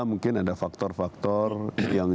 mungkin ada faktor faktor yang